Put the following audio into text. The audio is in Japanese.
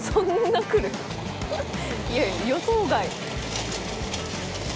いやいや予想外。